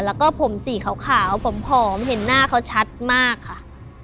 แล้วก็ผมสีขาวผอมเห็นหน้าเขาชัดมากค่ะ